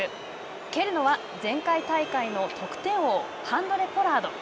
蹴るのは前回大会の得点王ハンドレ・ポラード。